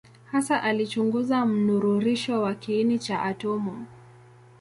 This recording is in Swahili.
Hasa alichunguza mnururisho wa kiini cha atomu.